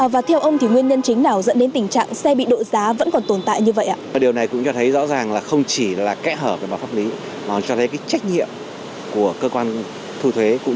và theo ông thì nguyên nhân chính nào dẫn đến tình trạng